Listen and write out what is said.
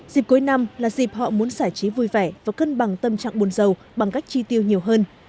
dịp cuối năm là dịp họ muốn giải trí vui vẻ và cân bằng tâm trạng buồn giàu bằng cách chi tiêu nhiều hơn